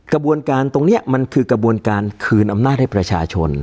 กระบวนการตรงนี้มันคือกระบวนการคืนอำนาจให้ประชาชน